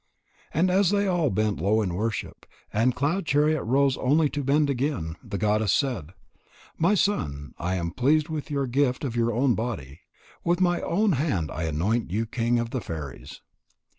As they all bent low in worship, and Cloud chariot rose only to bend again, the goddess said: "My son, I am pleased with your gift of your own body. With my own hand I anoint you king of the fairies."